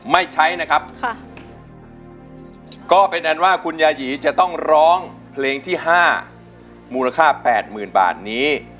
ไม่ใช้นะครับค่ะก็เป็นอันว่าคุณยายีจะต้องร้องเพลงที่๕มูลค่า๘๐๐๐บาทนี้